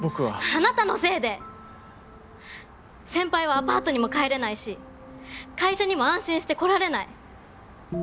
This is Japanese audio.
あなたのせいで先輩はアパートにも帰れないし会社にも安心して来られない。